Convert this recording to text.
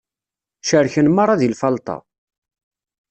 Cerken merra deg lfalṭa.